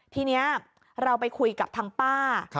ทีนี้เราไปคุยกับทางป้า